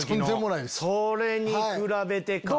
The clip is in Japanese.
それに比べてか。